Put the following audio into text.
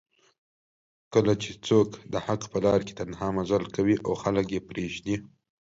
کله چې څوک دحق په لار کې تنها مزل کوي او خلک یې پریږدي